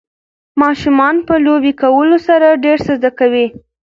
ماشومان په لوبې کولو سره ډېر څه زده کوي.